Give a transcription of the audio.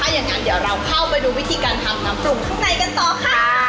อย่างนั้นเดี๋ยวเราเข้าไปดูวิธีการทำน้ำปรุงข้างในกันต่อค่ะ